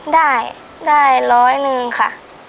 ได้ได้ร้อยหนึ่งค่ะ